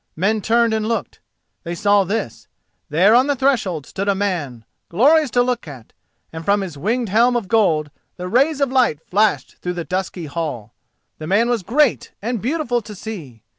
Men turned and looked. They saw this: there on the threshold stood a man, glorious to look at, and from his winged helm of gold the rays of light flashed through the dusky hall. The man was great and beautiful to see.